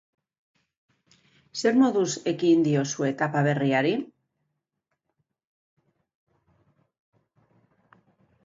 Zer moduz ekin diozue etapa berriari?